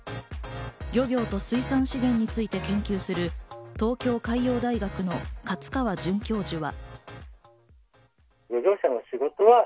漁業と水産資源について研究する東京海洋大学の勝川准教授は。